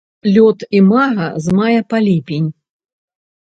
Лёт імага з мая па ліпень.